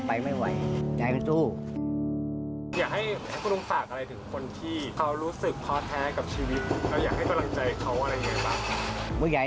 ผมก็สนใจแต่แกก็กัน